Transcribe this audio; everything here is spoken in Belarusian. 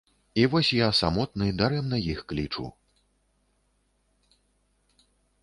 І вось я самотны, дарэмна іх клічу.